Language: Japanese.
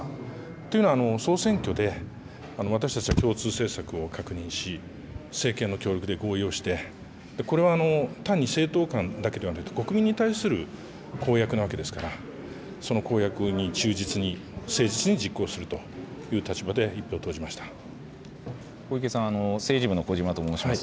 というのは、総選挙で私たちの共通政策を確認し、政権の協力で合意をして、これは単に政党間だけではなく、国民に対する公約なわけですから、その公約に忠実に、誠実に実行するという立場で１票小池さん、政治部の小嶋と申します。